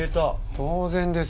当然です。